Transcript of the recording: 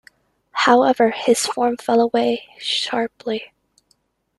However, his form fell away sharply.